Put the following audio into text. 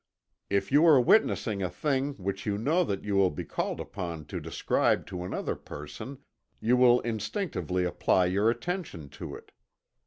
If you are witnessing a thing which you know that you will be called upon to describe to another person, you will instinctively apply your attention to it.